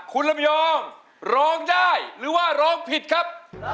คุณลำยองร้องได้หรือว่าร้องผิดครับ